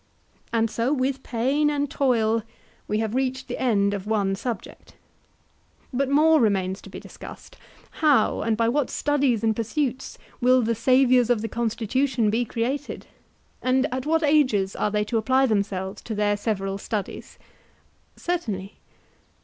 And so with pain and toil we have reached the end of one subject, but more remains to be discussed;—how and by what studies and pursuits will the saviours of the constitution be created, and at what ages are they to apply themselves to their several studies? Certainly.